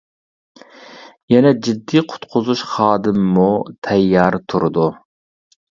يەنە جىددىي قۇتقۇزۇش خادىمىمۇ تەييار تۇرىدۇ.